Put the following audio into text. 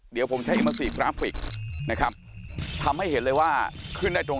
เดี๋ยวผมใช้อิมเมอร์ซีกราฟิกนะครับทำให้เห็นเลยว่าขึ้นได้ตรง